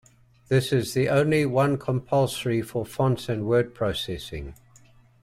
This is the only one compulsory for fonts and word-processing.